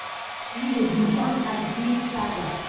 شیر جوشان از دیگ سررفت.